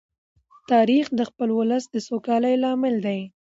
تاریخ د خپل ولس د سوکالۍ لامل دی.